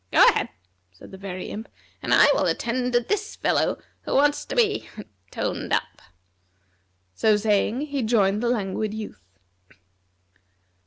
"Go ahead," said the Very Imp, "and I will attend to this fellow who wants to be toned up." So saying he joined the Languid Youth.